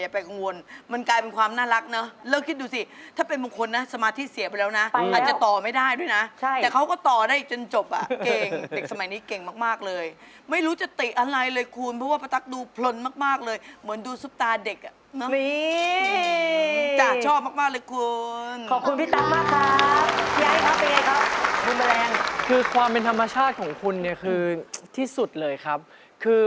เพราะหมดแต่เฟี่ยงแมมมูมแมลงมาจากอาจารย์แล้ว